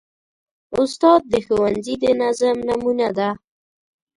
استاد د ښوونځي د نظم نمونه ده.